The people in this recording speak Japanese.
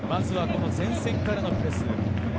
まずは前線からのプレス。